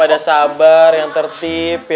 udah sabar yang tertip ya